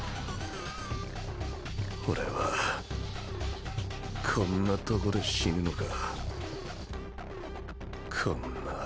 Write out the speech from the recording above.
俺はこんなとこで死ぬのか。